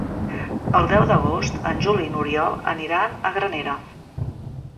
El deu d'agost en Juli i n'Oriol aniran a Granera.